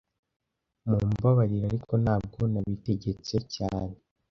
Mumbabarire, ariko ntago nabitegetse cyane